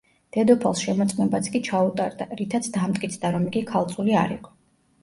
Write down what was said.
დედოფალს შემოწმებაც კი ჩაუტარდა, რითაც დამტკიცდა, რომ იგი ქალწული არ იყო.